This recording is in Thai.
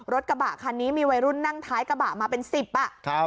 รถกระบะคันนี้มีวัยรุ่นนั่งท้ายกระบะมาเป็นสิบอ่ะครับ